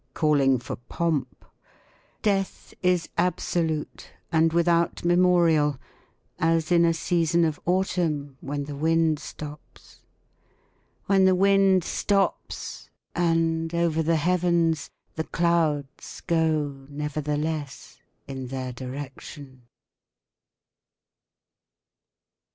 Calling for pomp. Death is absolute and without memorial. As in a season of autumn. When the wind stops . When the wind stops and, over the heavens. The clouds go, nevertheless. In their direction.